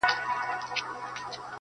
• پلار ویله د قاضي کمال څرګند سو..